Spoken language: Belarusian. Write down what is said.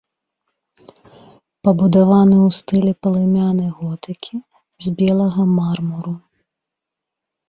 Пабудаваны ў стылі палымяны готыкі з белага мармуру.